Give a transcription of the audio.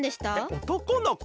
おとこのこ？